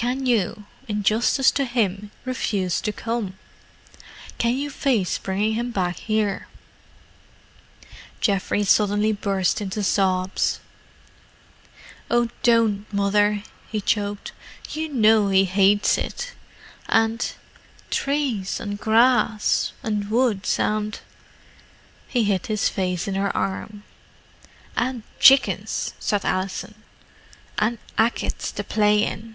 Can you, in justice to him, refuse to come?—can you face bringing him back here?" Geoffrey suddenly burst into sobs. "Oh, don't Mother!" he choked. "You know how he hates it. And—trees, and grass, and woods, and——" He hid his face on her arm. "An' tsickens," said Alison. "An' ackits to play in."